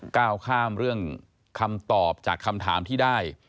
ก้าวข้ามเรื่องคำตอบจากคำถามที่ได้